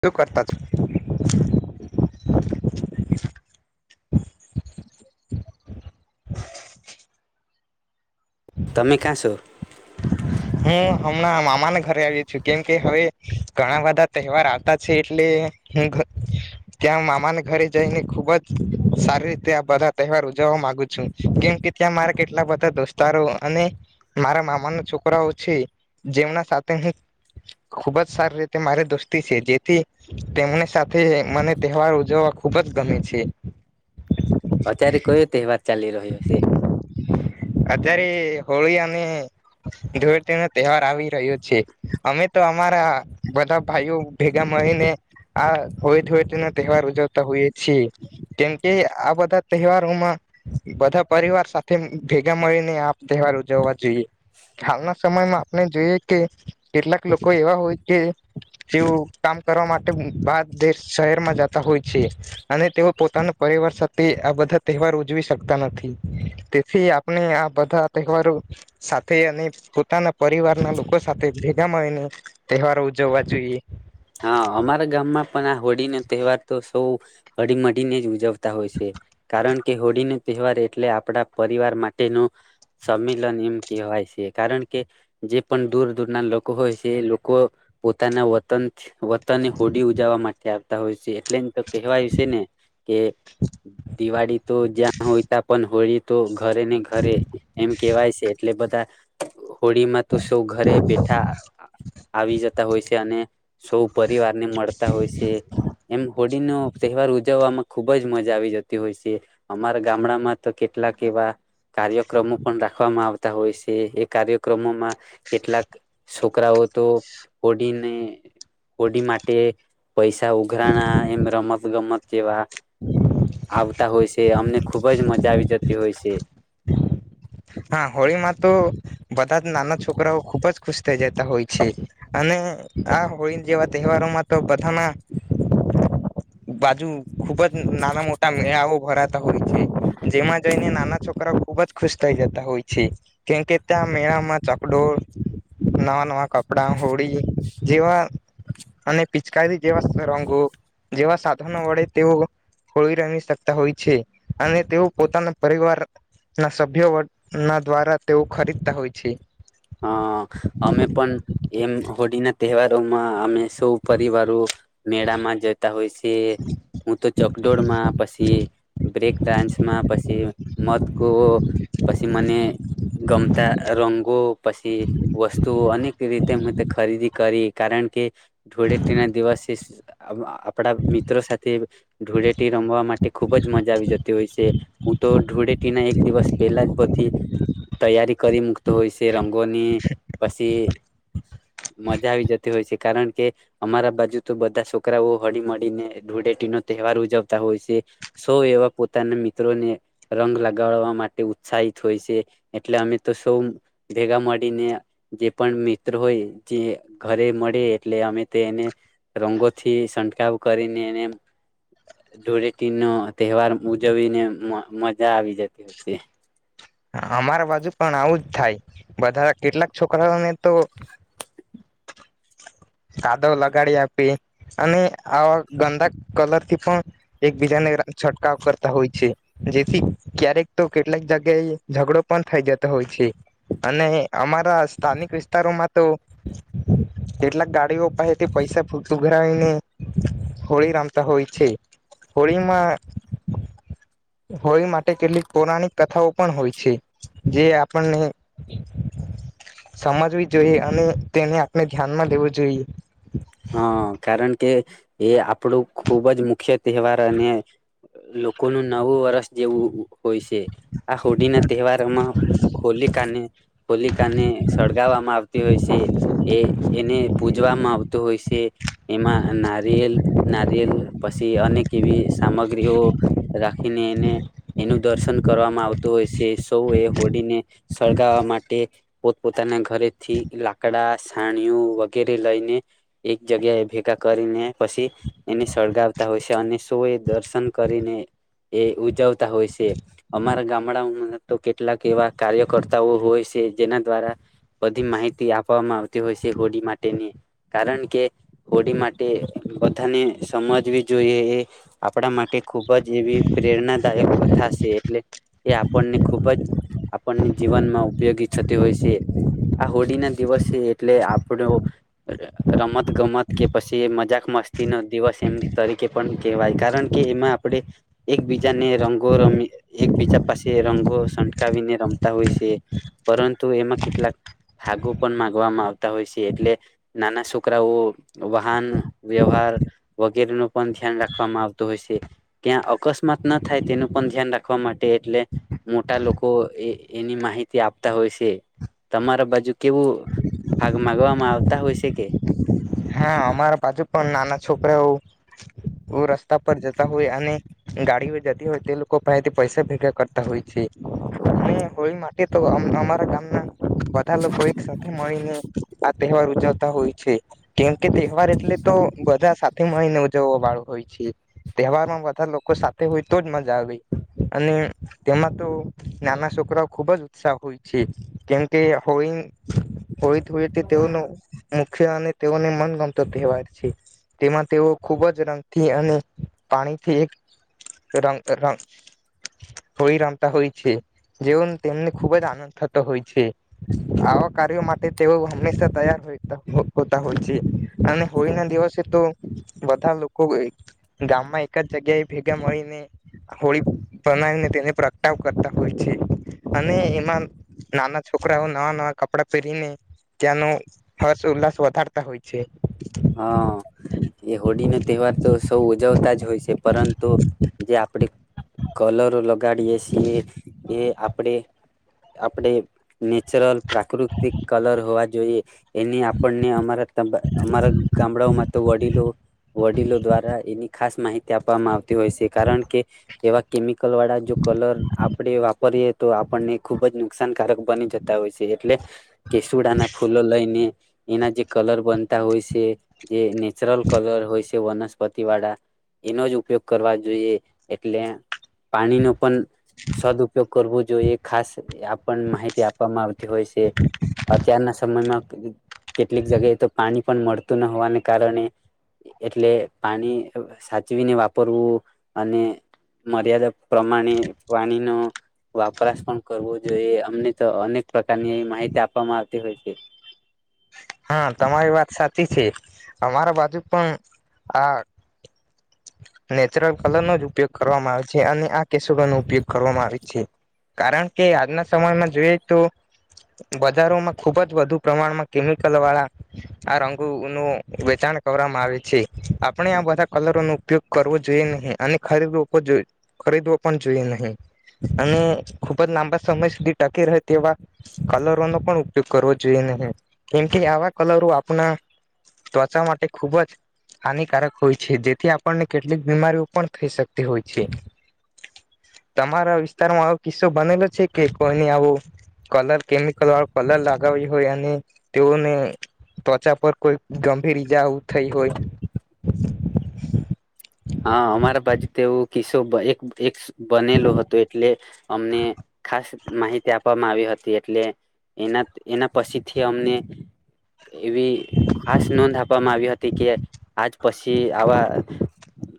શું કરતા છો? તમે કાં છો? હુ હમણાં મામાના ઘરે આવ્યો છું કેમકે હવે ઘણા બધા તહેવાર આવતા છે એટલે હુ ઘ ત્યાં મામાના ઘરે જઈને ખુબ જ સારી રીતે આ બધા તહેવાર ઉજવવા માગુ છું કેમકે ત્યાં મારા કેટલા બધા દોસ્તારો અને મારા મામાનો છોક છોકરાઓ છે જેમના સાથે હું ખૂબ જ સારી રીતે મારી દોસ્તી છે જેથી તેમની સાથે મને તહેવાર ઉજવવા ખૂબ જ ગમે છે. અત્યારે કયો તેહવાર ચાલે ચાલી રહ્યો છે. અત્યારે હોળી અમે ધોળ નો તહેવાર આવી રહ્યો છે અમે તો અમારા બધા ભાઈઓ ભેગા મળે ને હ હોય. તહેવાર ઉજવતા હોઈએ છીએ કેમ કે આ બધા તહેવારોમાં બધા પરિવાર સાથે ભેગા મળીને આપ તહેવાર ઉજવવા જોઈએ હાલના સમયમાં જોઈએ કે કેટલાક લોકો એવા હોય કે તેઓ કામ કરવા માટે બાર દ શહેર હોય છે અને તેઓ પોતાના પરિવાર સાથે આ બધા તહેવાર ઉજવી શકે. તેથી આપણે આ બધા તવારો સાથે અને પોતાના પરિવાર ના લોકો સાથે ગમાંય ને તહેવારો ઉજવવા જોઈએ. હા અમારા ગામમાં પણ આ હોળી નો તહેવાર તો સૌ હળીમળીને જ ઉજવશે. છે કારણ કે હરિને તહેવાર એટલે આપણા પરિવાર માટેનું સંમેલન એમ કહેવાય છે કારણ કે જે પણ દૂર દૂર ના લોકો હોય છે એ લોકો પોતાના વતન વતની હોડી ઉજાવા માટે આવતા હોય છે એટલે કહેવાય છે ને કે દિવાળી તો જ્યાં હોયતા પણ હોળી તો ઘરે ને ઘરે એમ કેવાય છે એટલે બધા હોળી માં તો સૌ ઘરે બેઠા આવી જતા હોય છે અને સૌ પરિવાર ને મળતા હોય છે. એમ હોડીનો તહેવાર ઉજવવામાં ખુબ જ મજા આવી જતી હોય છે અમારા ગામડામાં તો કેટલાક એવા કાર્યક્રમો પણ રાખવામાં આવતા હોય છે એ કાર્યક્રમોમાં કેટલાક છોકરાઓ તો હોડીને હોડી માટે પૈસા ઉઘરાના એમ રમત ગમત જેવા આવતા હોય છે અમને ખુબ જ મજા આવી જતી હોય છે. હા હોળીમાં તો બધા જ નાના છોકરાઓ ખુબ જ ખુશ થઈ જતા હોય છે, અને આ હોળી જેવા તહેવારોમાં તો બધાના બાજુ ખુબ જ નાના મોટા મેળાઓ ભરાતા હોય છે, જેમાં જઈને નાના છોકરાઓ ખુબ જ ખુશ થઈ જતા હોય છે, કેમકે ત્યાં મેળામાં ચકડોળ નવાં નવા કપડાં હોળી જેવા અને પિચકારી [inaudible] જેવા સાધનો વડે તેઓ હોળ રમી શકતા હોય છે, અને તેઓ પોતાના પરિવારના અભ્યવટના દ્વારા તેઓ ખરીદતા હોય છે. હા અમે પણ એમ હોળી ના તહેવારોમાં અમે સૌ પરિવારો મેળામાં જતા હોય છે હું તો ચકડોળમાં પછી બ્રેક ડાન્સમાં પછી [unintelligible] મને ગમતા રંગો [unintelligible] વસ્તુઓ [unintelligible] રીતે ખરીદી કરી કારણ કે. [inaudible] [inaudible] આપડા મિત્રો સાથે ધૂળેટી રમવા માટે ખુબ જ મજા [unintelligible] હું તો ધૂળેટી ના એક દિવસ પહેલા જ બધી તૈયારી કરી મુકતો તે રંગોની પછી મજા આવી જતી હોય છે, કારણ કે અમારા બાજુ તો બધા છોકરાઓ હળીમળીને ધૂળેટી નો તહેવાર ઉજવતા હોય છે, સૌ એવા પોતાના મિત્રોને રંગ લગાડવા માટે ઉત્સાહિત હોય છે, એટલે અમે તો સૌ ભેગા મળીને જે પણ મિત્ર હોય જે ઘરે મળે એટલે અમે તેને રંગોથી છટકાવ કરીને એને ધોળેટી નો તહેવાર ઉજવીને મજા આવી જતી હોય છે. અમારા બાજુ પણ આવુંજ થાય બધા કેટલાક છોકરાઓને તો કાદવ લગાડી આપે અને આવા ગંદા કલરથી પણ એકબીજાને છંટકાવ કરતા હોય છે જેથી ક્યારેક તો કેટલાક જગ્યાએ ઝઘડો પણ થઈ જતો હોય છે, અને અમારા સ્થાનિક વિસ્તારોમાં તો કેટલાક ગાડીઓ પાસે તે પૈસા [unintelligible] હોળી રમતા હોય છે, હોળીમાં હોળી માટે કેટલીક પૌરાણિક કથાઓ પણ હોય છે, જે આપણને સમજવી જોઈએ અને તે મેં ધ્યાનમાં લેવું જોઈએ. હા કારણ કે એ આપણું ખુબ જ મુખ્ય તહેવાર અને લોકોનું નવું વર્ષ જેવું હોય છે, આ હોડીના તહેવારોમાં હોલિકાને હોલિકાને સળગાવવામાં આવતી હોય છે, એ એને પૂજવામાં હોય છે એમાં નારિયેલ નારિયેલ પછી અનેક એવી સામગ્રીઓ રાખીને એને એનું કરવામાં આવતું હોય છે સૌ એ [unintelligible] સળગાવવા માટે [unintelligible] પોતાના ઘરેથી લાકડા સાણીઓ વગેરે લઈને એક જગ્યાએ ભેગા કરીને પછી એને સળગાવતા હોય છે, અને સૌ એ દર્શન કરીને એ ઉજવતા હોય છે, અમારા ગામડાઓમાં તો કેટલાક એવા કાર્યકર્તાઓ હોય છે, જેના દ્વારા બધી માહિતી આપવામાં આવતી હોય છે, હોળી માટેની કારણ કે હોળી માટે બધાને સમજવી જોઈએ એ આપણા માટે ખૂબ જ એવી પ્રેરણાદાયક કથા છે, એટલે એ આપણને ખૂબ જ આપણને જીવનમાં ઉપયોગી થતી હોય છે, આ હોળી ના દિવસ છે, એટલે આપણો રમત ગમત કે પછી મજાક મસ્તી નો દિવસ એમ તરીકે પણ કેહેવાય કારણ કે એમાં આપણે એકબીજાને રંગો રમી એકબીજા પાસે રંગો છટકાવીને રમતા હોય છે, પરંતુ એમાં કેટલાક ભાગો પણ માગવામાં આવતા હોય છે, એટલે નાના છોકરાઓ વાહન વ્યવહાર વગેરે ન પણ ધ્યાન રાખવામાં આવતું હોય છે, ત્યાં અકસ્માત ના થાય તેનું પણ ધ્યાન રાખવા માટે એટલે મોટા લોકો એ એની માહિતી આપતા હોય છે, તમારા બાજુ કેવું ભાગ [unintelligible] [unintelligible] કે હા અમારે [unintelligible] પણ નાના છોકરા રસ્તા પર જતા હોય અને જતી હોય તે લોકોથી પૈસા ભેગા કરતા હોય છે, અને હોળી માટે તો અમારા ગામના બધા લોકો એક સાથે મળીને આ તહેવાર ઉજવતા હોય છે. [inaudible] કે તહેવાર એટલે તો સાથે મળને ઉજવવા વાળો હોય છે, તહેવાર માં બધા લોકો સાથે હોય તો જ મજા આવે અને તેમાં તો નાના છોકરાઓ ખુબ જ ઉત્સાહ હોય છે કેમકે હોળી હોળ [unintelligible] તેઓનું. [inaudible] તેઓને મનગમતો તહેવાર છે તેમાં તેઓ ખૂબ જ રંગથી અને પાણીથી એક [unintelligible] હોળી રમતા હોય છે, જેવ તેમને ખૂબ જ આનંદ થતો હોય છે, આવા કાર્યો માટે તેઓ હંમેશા તૈયાર હોતા હોય છે. અને હોળી ના દિવસે તો બધા લોકો એક ગામમાં એક જ જગ્યા એ ભેગા મળીને હોળી [unintelligible] તેને પ્રગટાવ કરતા હોય છે અને એમાં નાના છોકરાઓ નવા નવા કપડા પહેરીને ત્યાંનો હર્ષ ઉલાસ - વધારતા હોય છે. હા એ હોળી નો ની તહેવાર તો સૌ જ હોય છે પરંતુ જે આપણે કલરો લગાડીએ છીએ એ આપણેે આપણેે નેચરલ પ્રાકૃતિક કલર હો જોઈએ. એની આપણને અમારા તાં [unintelligible] અમારા [unintelligible] તો વડીલો વડીલો દ્વારા એની ખાસ માહિતી આપવામાં આવતી હોય છે કારણ કે એવા કેમિકલ વાળા જો કલર આપણે વાપરીએ તો આપણને ખુબ જ નુકસાનકારક બની જતા હોય છે એટલે કેસુડા ના ફૂલ લઈને એના જે કલર બનતા હોય છે એ નેચરલ કલર હોય છે વનસ્પતિ વાળા એનો જ ઉપયોગ કરવા જોઈએ એટલે પાણીનો પણ સદ ઉપપયોગ કરવો જોઈએ ખાસ આપ માહિતી આપવામાં આવતી હોય છે અત્યારના સમયમાં કેટલીક જગ્યાએ તો પાણી પણ મળત તું ન હોવાને કારણે એટલે પાણી સાચવીને વાપરવું અને મર્યાદા પ્રમાણે પાણીનો વપરાશ પણ કરવો જોઈએ અમને તો અનેક પ્રકારની માહિતી આપવામાં આવતી હોય છે હા તમારી વાત સાચી છે અમારા બાજુ પણ આ નેચરલ કલરનોો જ ઉપયોગ કરવામાં આવે છે અને આ કેસુડો નો ઉપયોગ કરવામાં આવે છે કારણ કે આજના સમયમાં જોઈએ તો બજારોમાં ખુબ જ વધુ પ્રમાણમાં કેમ કલ વાળા આ રંગોનું વેચાણ કરવામાં આવે છે આપણે આ બધા કલરો નો ઉપયોગ કરવો જોઈએ નહીં અને ખરીદવો ખરીદવો પણ જોઈએ નહીં અને ખુબ જ લાંબા સમય સુધી ટકી રહે તેવા કલરોનોો પણ ઉપયોગ કરવો જોઈએ નહીં કેમ કે આવા કલરો આપણા ત્વચા માટે ખુબ જ હાનિકારક હોય છે જેથી આપણને કેટલીક બીમારીઓ પણ થઈ શકતી હોય છે તમારા વિસ્તારમાં આવો કિસ્સો બનેલો છે કે કોઈને આવો કલર કેમિકલ વાળ કલર લાગાવી હોય અને તેઓને ત્વચા પર કોઈ ગંભીર ઈજાઓ થઈ હોય તેવું કિસ્સો એક એક બનેલો હતો એટલે અમને ખાસ માહિતી આપવામાં આવી હતી એટલે એના એના પસીથી અમને એવી ખાસ નોંધ આપવામાં આવી હતી કે આજ પસી આવા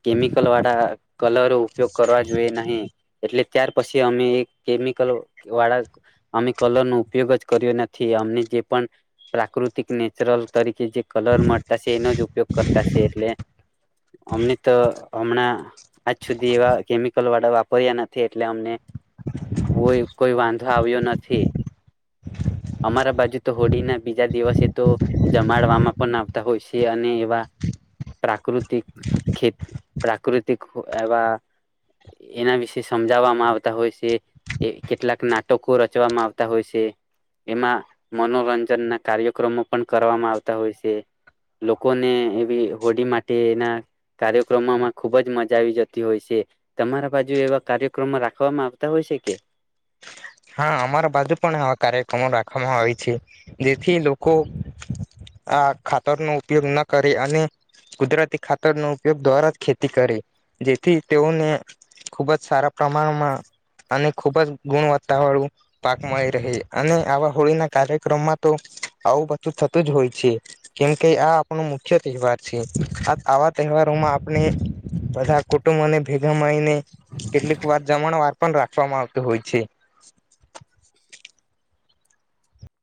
કેમિકલ વાળા કલરો ઉપયોગ કરવા જોઈએ નહીિ એટલે ત્યાર પછી અમે એ કેમિકલ વાળા અમે કલર નો ઉપયોગ જ કર્યો નથી અમને જે પણ પ્રાકૃતિક નેચરલ તરીકે એ જે કે કલર મળરતા છે એનો જ ઉપ ઉપયોગ કરતા છે એટલે અમને હમણાં આજ સુધી એવા કેમિકલ વાળા વાપર્યા નથી એટલે અમને કોઈ કોઈ વાંધો આવ્યો નથી અમારા બાજુ તો હોળીના બીજા દિવસે તો જમાડવામાં પણ આવતા હોય છે અને એવા પ્રાકૃતિક ખેત પ્રાકૃતિક એવા એના વિશે સમજાવવામાં આવતા હોય છે એ કેટલાક નાટકો રચવામાં આવતા હોય છે એમાં મનોરંજન ના કાર્યક્રમો પણ કરવામાં આવતા હોય છે લોકોને એવી હોડી માટે એના કાર્યક્રમોમાં ખુબ જ મજા આવી જતી હોય છે તમારા બાજુ એવા કાર્યક્રમો રાખવામાં આવતા હોય છે કે હા અમારા બાજુ પણ આવા કાર્યક્રમો રાખવામાં આવે છે જેથી લોકો આ ખાતરનો ઉપયોગ ન કરે અને કુદરતી ખાતરનોો ઉપયોગ દ્વારા જ ખેતી કરે જેથી તેઓને ખુબ જ સારા પ્રમાણમાં અને ખૂબ જ ગુણવત્તા વાળું પાક મળય રહે અને આવા હોળીના કાર્યક્રમમાં તો આવું બધું થતું જ હોય છે કેમકે આ આપણો મુખ્ય તહેવાર છે આવા તહેવારોમાં આપણે બધા કુટુંબને ભેગા મળઈને કેટલીક વાર જમણવાર પણ રાખવામાં આવતું હોય છે. [inaudible]